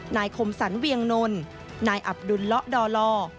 คมสรรเวียงนนนายอับดุลละดอลอ